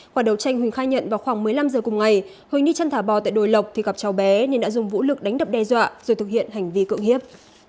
quả đầu tranh huỳnh khai nhận vào khoảng một mươi năm giờ cùng ngày huỳnh đi chăn thả bò tại đồi lộc thì gặp cháu bé nên đã dùng vũ lực đánh đập đe dọa rồi thực hiện hành vi cưỡng hiếp